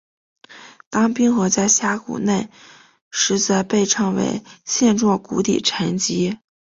当冰河在峡谷内时则被称为线状谷底沉积。